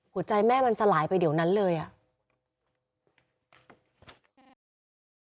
หัวใจแม่มันสลายไปเดี๋ยวนั้นเลยอ่ะ